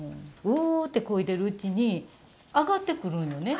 うってこいでるうちに上がってくるんよね。